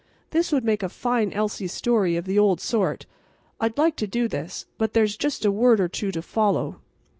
This would make a fine Elsie story of the old sort. I'd like to do this; but there's just a word or two to follow.